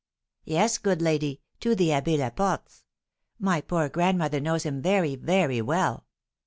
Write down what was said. "Yes, good lady; to the Abbé Laport's. My poor grandmother knows him very, very well."